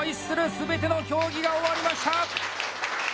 全ての競技が終わりました。